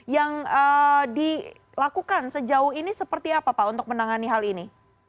yang dilakukan sejauh ini seperti apa pak untuk menangani hal ini